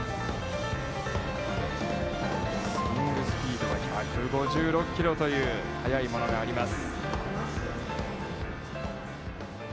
スイングスピードは１５６キロという速いものがあります。